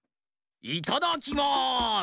いただきます！